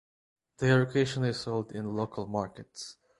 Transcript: They are occasionally sold in local markets.